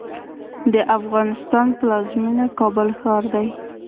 د افغانستان پلازمېنه کابل ښار دی.